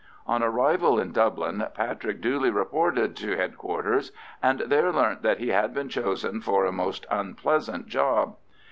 On arrival in Dublin, Patrick duly reported at H.Q.'s, and there learnt that he had been chosen for a most unpleasant job.